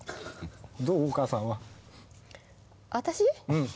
うん。